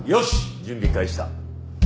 準備開始だ。